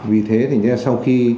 vì thế thì sau khi